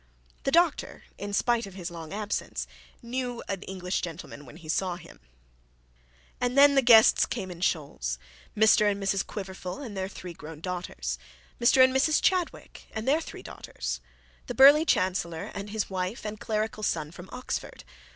The doctor, in spite of his long absence, knew an English gentleman when he saw him. And then the guests came in shoals; Mr and Mrs Quiverful and their three grown daughters. Mr and Mrs Chadwick and their three daughters. The burly chancellor and his wife and clerical son from Oxford.